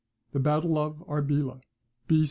THE BATTLE OF ARBELA, B.